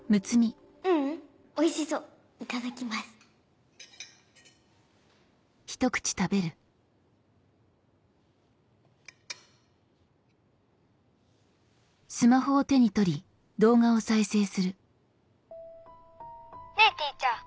ううんおいしそういただきます。ねぇＴｅａｃｈｅｒ。